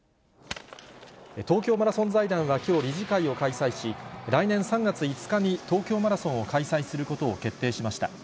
東京マラソン財団はきょう、理事会を開催し、来年３月５日に東京マラソンを開催することを決定しました。